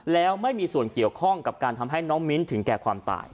แล้วไม่มีส่วนเกี่ยวข้องกับการทำให้น้องมิ้นถึงแก่ความตาย